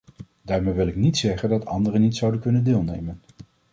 Daarmee wil ik niet zeggen dat anderen niet zouden kunnen deelnemen.